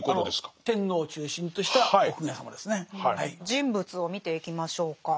人物を見ていきましょうか。